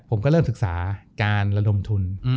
ผมก็เริ่มศึกษาการระดมทุน